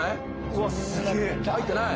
うわすげえ入ってない？